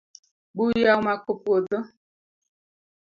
Buya omako puodho